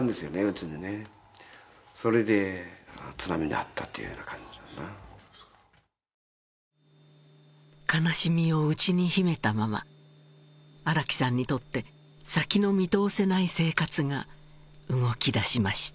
家にねそれで津波に遭ったっていう感じかな悲しみを内に秘めたまま荒木さんにとって先の見通せない生活が動きだしました